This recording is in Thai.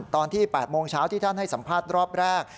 ตอนที่๘โมงเช้าที่ท่านให้สัมภาษณ์รอบแรก